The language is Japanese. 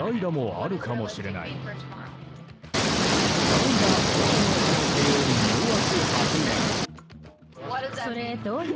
代打大谷の可能性をにおわす発言。